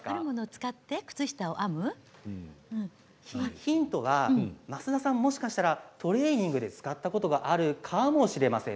ヒントは増田さんももしかしたらトレーニングで使ったことがあるかもしれません。